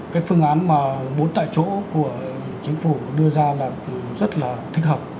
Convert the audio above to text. cái phương án mà bốn tại chỗ của chính phủ đưa ra là rất là thích hợp